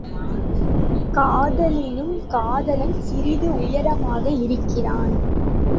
காதலியினும் காதலன் சிறிது உயரமாக இருக்கிறான்.